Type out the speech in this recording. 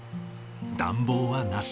暖房はなし。